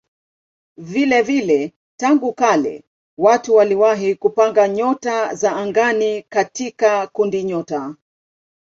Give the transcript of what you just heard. Vilevile tangu kale watu waliwahi kupanga nyota za angani katika kundinyota.